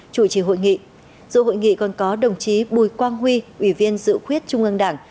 chủ trì hội nghị dù hội nghị còn có đồng chí bùi quang huy ủy viên dự khuyết trung ương đảng